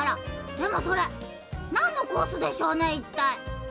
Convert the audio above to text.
でもそれなんのコースでしょうね？